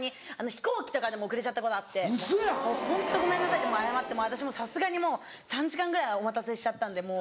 飛行機とかでも遅れちゃったことあってホントごめんなさいって謝って私もさすがにもう３時間ぐらいお待たせしちゃったんでもう。